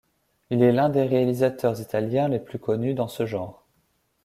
Il est l'un des réalisateurs italiens les plus connus dans ce genre.